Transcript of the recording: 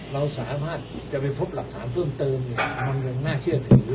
เราสามารถจะไปพบหลักฐานเพิ่มเติมเนี่ยมันยังน่าเชื่อถือ